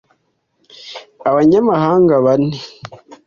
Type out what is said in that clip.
Abanyamahanga bane